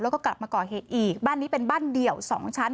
แล้วก็กลับมาก่อเหตุอีกบ้านนี้เป็นบ้านเดี่ยวสองชั้น